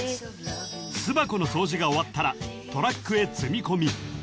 ［巣箱の掃除が終わったらトラックへ積み込み］